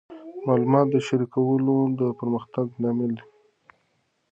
د معلوماتو شریکول د پرمختګ لامل دی.